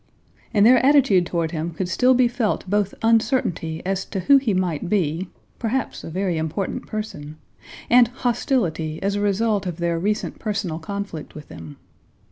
In their attitude toward him could still be felt both uncertainty as to who he might be—perhaps a very important person—and hostility as a result of their recent personal conflict with him.